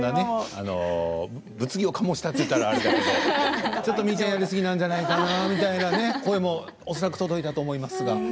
物議を醸し出したと言ったらあれですけどちょっとみーちゃんやりすぎなんじゃないかなみたいな声も恐らく届いたと思いますが。